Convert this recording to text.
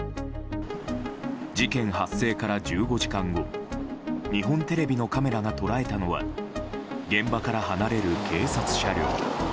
事件発生から１５時間後日本テレビのカメラが捉えたのは現場から離れる警察車両。